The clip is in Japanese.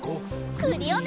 クリオネ！